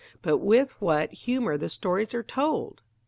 But with what humour the stories are told!